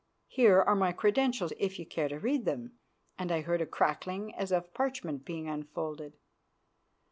Here are my credentials if you care to read them," and I heard a crackling as of parchment being unfolded.